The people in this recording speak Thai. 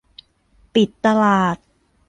ปิดตลาด